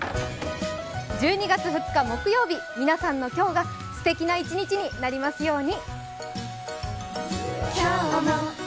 １２月２日木曜日、皆さんの今日がすてきな一日になりますように。